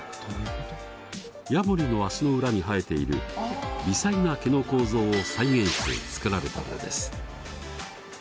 ヤモリの足の裏に生えている微細な毛の構造を再現して作られたのです。